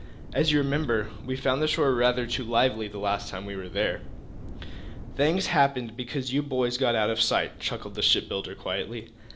"As you will remember, we found the shore rather too lively the last time we were there." "Things happened because you boys got out of our sight," chuckled the shipbuilder, quietly.